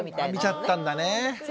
見ちゃったんだねえ。